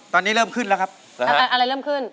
ตอนนี้เริ่มขึ้นแล้วครับอะไรเริ่มขึ้น